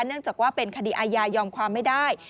เนื่องจากว่าเป็นคดีอาญายอมความไม่ได้